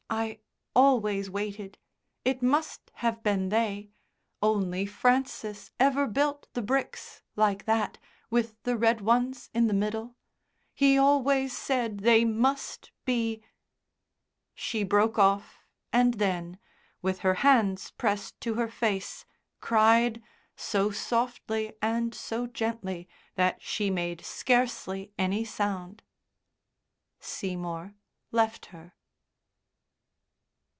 I always waited. It must have been they. Only Francis ever built the bricks like that, with the red ones in the middle. He always said they must be...." She broke off and then, with her hands pressed to her face, cried, so softly and so gently that she made scarcely any sound. Seymour left her.